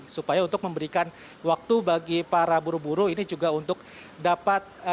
supaya untuk memberikan waktu bagi para buru buru ini juga untuk dapat